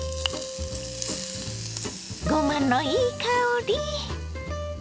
ごまのいい香り。